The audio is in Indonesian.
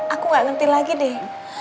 aku gak ngerti lagi deh